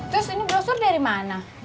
terus ini brosur dari mana